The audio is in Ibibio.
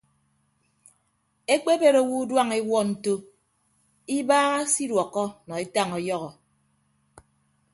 Ekpebet owo uduañ ewuọ nto ibaaha se iduọkkọ nọ etañ ọyọhọ.